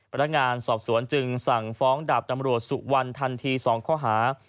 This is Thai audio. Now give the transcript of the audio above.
ประดังงานสอบสวนจึงสั่งฟ้องดับตำรวจสู่วันทันที๒ข้อหา